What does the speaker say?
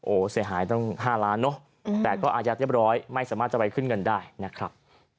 โอ้โหเสียหายตั้ง๕ล้านเนอะแต่ก็อายัดเรียบร้อยไม่สามารถจะไปขึ้นเงินได้นะครับ